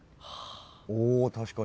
お確かに。